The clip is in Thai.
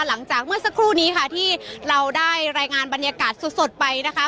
หลังจากเมื่อสักครู่นี้ค่ะที่เราได้รายงานบรรยากาศสดไปนะคะ